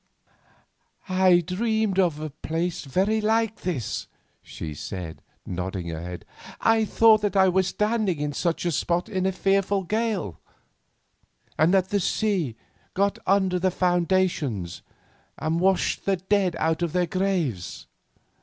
"I dreamed of a place very like this," she said, nodding her head. "I thought that I was standing in such a spot in a fearful gale, and that the sea got under the foundations and washed the dead out of their graves."